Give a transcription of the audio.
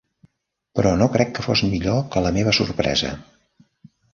Però no crec que fos millor que la meva sorpresa.